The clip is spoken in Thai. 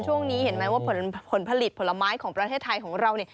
ช่วงนี้เห็นไหมว่าผลผลิตผลไม้ของประเทศไทยของเราเนี่ย